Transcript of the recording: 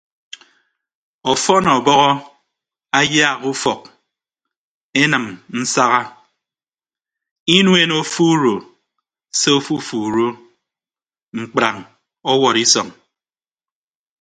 Ọfọn ọbọhọ ayaak ufọk enịm nsaha inuen ofuuro se ofuuro mkprañ ọwọd isọñ.